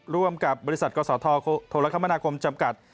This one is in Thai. ร่วมกับบริษัทกศธโทรคมนาคมจำกัด